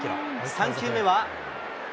３球目は。